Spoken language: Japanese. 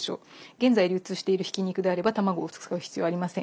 現在流通しているひき肉であれば卵を使う必要はありません。